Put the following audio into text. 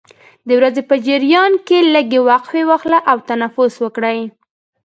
د ورځې په جریان کې لږې وقفې واخلئ او تنفس وکړئ.